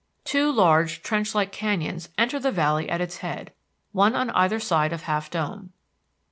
Two large trench like canyons enter the valley at its head, one on either side of Half Dome.